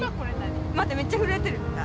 待ってめっちゃ震えてる。